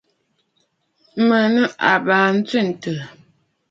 Mə̀ nɨ̂ àbaa ntswêntɨ̀ɨ̀.